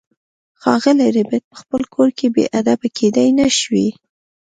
ښاغلی ربیټ په خپل کور کې بې ادبه کیدای نشوای